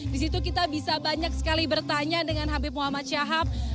di situ kita bisa banyak sekali bertanya dengan habib muhammad syahab